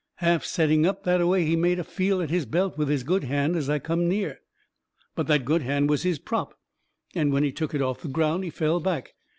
Half setting up that away he made a feel at his belt with his good hand, as I come near. But that good arm was his prop, and when he took it off the ground he fell back.